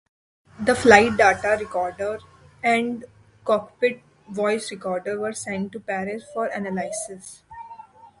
The flight data recorder and cockpit voice recorder were sent to Paris for analysis.